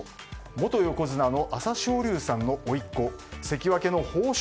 元横綱の朝青龍さんのおいっ子関脇の豊昇